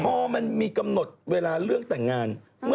พอมันมีกำหนดเวลาเรื่องแต่งงาน